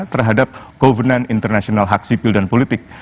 terhadap covenant international hak sipil dan politik